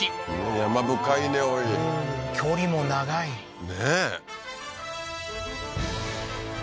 山深いねおい距離も長いねえ